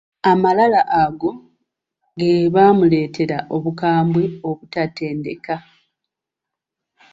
Amalala ago ge Baamuleetera obukambwe obutatendeka.